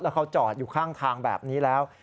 เขาจอดอยู่ข้างทางแบบนี้แล้ว